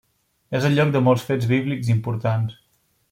És el lloc de molts fets bíblics importants.